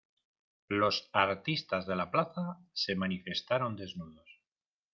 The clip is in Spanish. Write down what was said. Los artistas de la plaza se manifestaron desnudos.